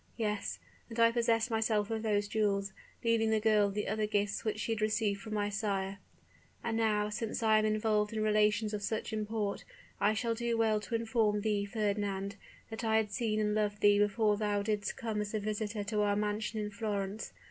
Yes: and I possessed myself of those jewels, leaving the girl the other gifts which she had received from my sire. "And now, since I am involved in relations of such import, I shall do well to inform thee, Fernand, that I had seen and loved thee before thou didst come as a visitor to our mansion in Florence.